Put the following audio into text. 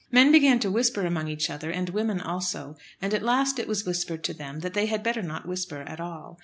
Men began to whisper among each other, and women also, and at last it was whispered to them that they had better not whisper at all.